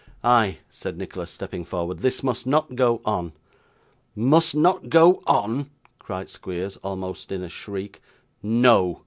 'I,' said Nicholas, stepping forward. 'This must not go on.' 'Must not go on!' cried Squeers, almost in a shriek. 'No!